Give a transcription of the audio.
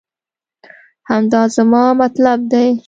همدا زما مطلب دی